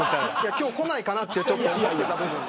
今日こないかなとちょっと思ってた部分も。